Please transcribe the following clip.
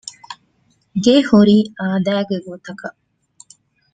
ގެ ހުރީ އާދައިގެ ގޮތަކަށް